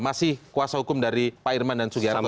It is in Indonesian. masih kuasa hukum dari pak irman dan sugiarto ya